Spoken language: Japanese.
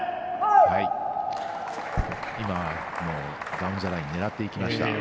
ダウンザライン狙っていきました。